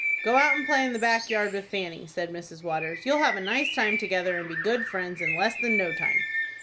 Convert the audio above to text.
"Go out and play in the back yard with Fanny," said Mrs. Waters. "You'll have a nice time together, and be good friends in less than no time."